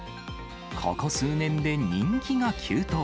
ここ数年で人気が急騰。